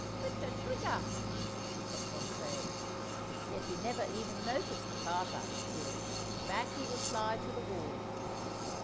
"Twitter, twitter," he kept on saying; yet he never even noticed the path I was clearing, back he would fly to the wall.